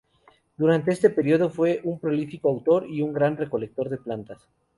Durante este periodo, fue un prolífico autor y gran recolector de plantas.